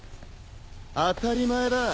当たり前だ。